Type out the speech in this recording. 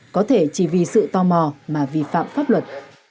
có thể chỉ vì sự tò mò mà vi phạm pháp luật